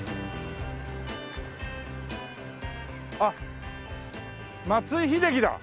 あっ松井秀喜だ。